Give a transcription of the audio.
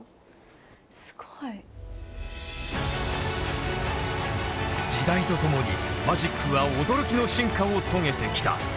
すごい。時代とともにマジックは驚きの進化を遂げてきた。